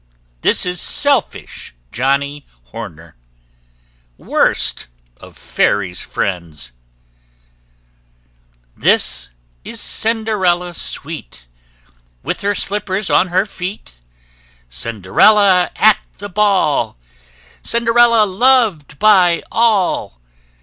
This is selfish Johnnie Horner WORST OF FAIRY'S FRIENDS. This is Cinderella sweet, With her slippers on her feet: Cinderella at the ball, Cinderella loved by all!